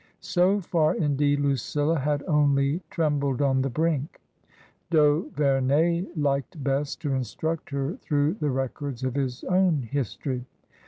So far, indeed, Lucilla had only trembled on the brink. 196 TRANSITION. D'Auvemey liked best to instruct her through the records of his own history.